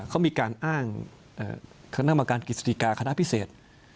เขามีการอ้างคณะกรรมการกิจสติกาคณะพิเศษ